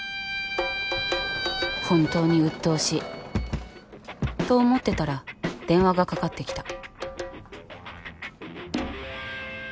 本当にうっとうしい。と思ってたら電話がかかってきた。